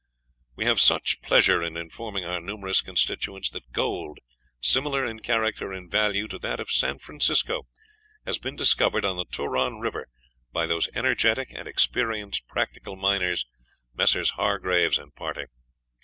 We have much pleasure in informing our numerous constituents that gold, similar in character and value to that of San Francisco, has been discovered on the Turon River by those energetic and experienced practical miners, Messrs. Hargraves and party.